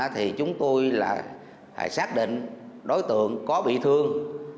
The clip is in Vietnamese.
thì chúng tôi là xác định đối tượng có bị thương